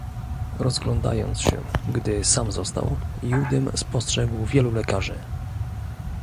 "Rozglądając się, gdy sam został, Judym spostrzegał wielu lekarzy."